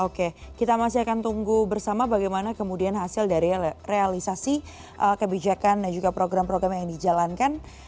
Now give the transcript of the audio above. oke kita masih akan tunggu bersama bagaimana kemudian hasil dari realisasi kebijakan dan juga program program yang dijalankan